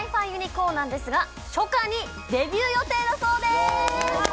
ｃｏｒｎなんですが初夏にデビュー予定だそうですうわ